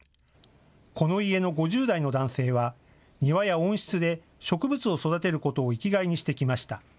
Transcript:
この家の５０代の男性は庭や温室で植物を育てることを生きがいにしてきました。